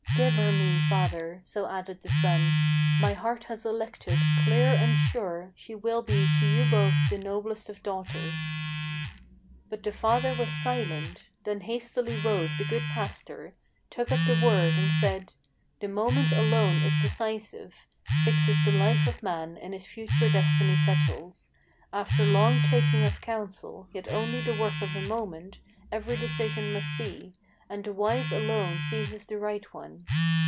"Give her me, father," so added the son: "my heart has elected Clear and sure; she will be to you both the noblest of daughters." But the father was silent. Then hastily rose the good pastor, Took up the word and said: "The moment alone is decisive; Fixes the life of man, and his future destiny settles. After long taking of counsel, yet only the work of a moment Every decision must be; and the wise alone seizes the right one.